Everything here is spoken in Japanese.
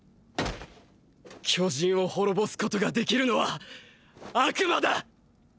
巨人を滅ぼすことができるのは悪魔だ！！